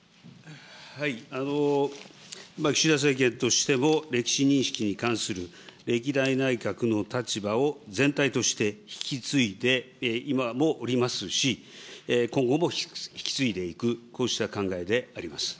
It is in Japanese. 岸田政権としても、歴史認識に関する歴代内閣の立場を全体として引き継いで、今もおりますし、今後も引き継いでいく、こうした考えであります。